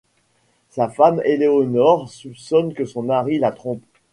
Sa femme Eleonor soupçonne que son mari la trompe.